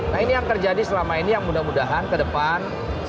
nah ini yang terjadi selama ini yang mudah mudahan ke depan